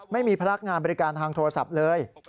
ไม่มีพนักงานบริการทางโทรศัพท์เลย